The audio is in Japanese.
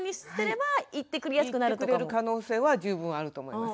行ってくれる可能性は十分あると思います。